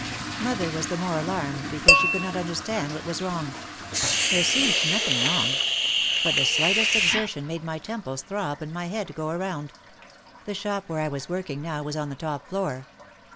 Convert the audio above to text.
Mother was the more alarmed because she could not understand what was wrong. There seemed nothing wrong. But the slightest exertion made my temples throb and my head go around. The shop where I was working now was on the top floor.